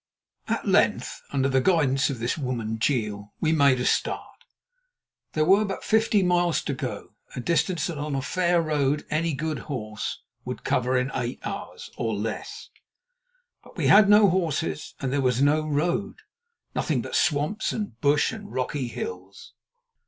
At length, under the guidance of this woman, Jeel, we made a start. There were but fifty miles to go, a distance that on a fair road any good horse would cover in eight hours, or less. But we had no horses, and there was no road—nothing but swamps and bush and rocky hills.